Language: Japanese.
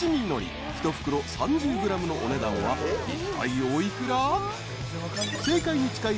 一袋３０ｇのお値段はいったいお幾ら？］